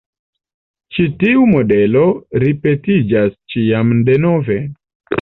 Ĉi tiu modelo ripetiĝas ĉiam denove.